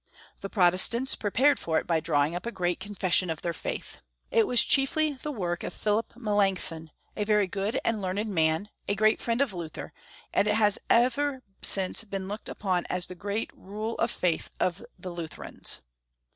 The Protestants prepared for it by drawing up a great confession of their faith. It was chief!] • the work of Philip Melancthon, a very good and learned man, a great friend of Luther, and it has ever since been looked upon as the great rm^ of faith of the Lutherans.